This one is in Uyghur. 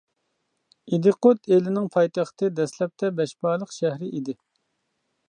ئىدىقۇت ئېلىنىڭ پايتەختى دەسلەپتە بەشبالىق شەھىرى ئىدى.